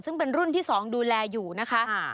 ซึ่งเป็นรุ่นที่๒ดูแลอยู่นะคะ